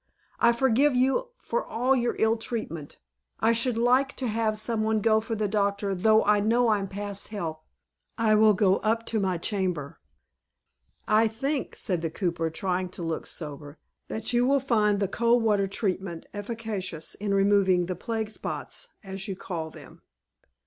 I forgive you for all your ill treatment. I should like to have some one go for the doctor, though I know I'm past help. I will go up to my chamber." "I think," said the cooper, trying to look sober, "that you will find the cold water treatment efficacious in removing the plague spots, as you call them."